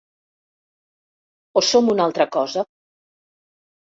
O som una altra cosa.